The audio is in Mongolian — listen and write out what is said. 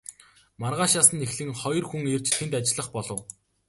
Маргаашаас нь эхлэн хоёр хүн ирж тэнд ажиллах болов.